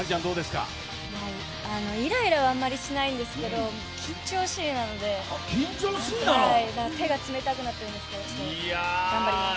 イライラはあんまりしないんですけど、緊張しいなんで手が冷たくなってるんですけど頑張ります。